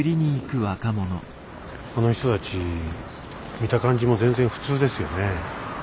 あの人たち見た感じも全然普通ですよね。